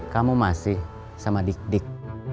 kamu masih sama dik dik